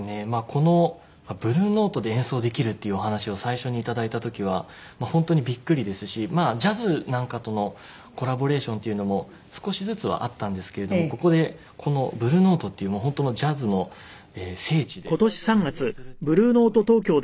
このブルーノートで演奏できるっていうお話を最初にいただいた時は本当にビックリですしまあジャズなんかとのコラボレーションっていうのも少しずつはあったんですけれどもここでこのブルーノートっていうもう本当のジャズの聖地で演奏するっていうのはすごい気がまあなんでしょう